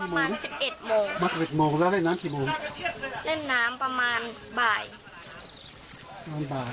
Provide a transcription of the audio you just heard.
มาประมาณ๑๑โมงละได้น้ำทรีย์มูลเล่นน้ำประมาณบ่าย